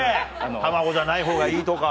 卵じゃないほうがいいとか。